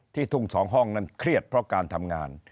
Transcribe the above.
ทุ่งสองห้องนั้นเครียดเพราะการทำงาน